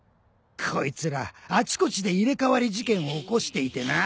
こいつらあちこちで入れ替わり事件を起こしていてな。